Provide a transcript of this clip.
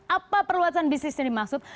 apa perluasan bisnis ini maksud